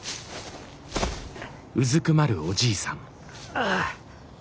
ああ。